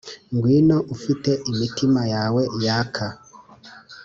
ngwino ufite imitima yawe yaka,